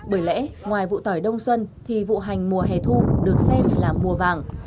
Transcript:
bởi lẽ ngoài vụ tỏi đông xuân thì vụ hành mùa hè thu được xem là mùa vàng